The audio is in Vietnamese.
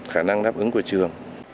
khả năng đáp ứng của trẻ